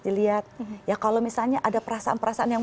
dilihat ya kalau misalnya ada perasaan perasaan yang